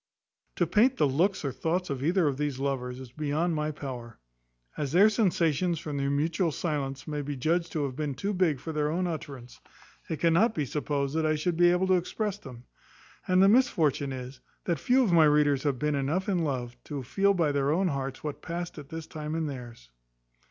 To paint the looks or thoughts of either of these lovers, is beyond my power. As their sensations, from their mutual silence, may be judged to have been too big for their own utterance, it cannot be supposed that I should be able to express them: and the misfortune is, that few of my readers have been enough in love to feel by their own hearts what past at this time in theirs.